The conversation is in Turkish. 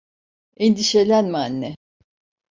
Endişelenme anne.